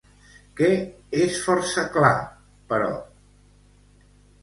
Què és força clar, però?